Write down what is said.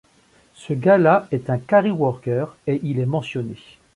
Ce gars la est un Quarry worker et il est mentionné.